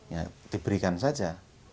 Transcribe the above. ya diberikan saja